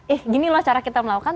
eh ginilah cara kita melakukan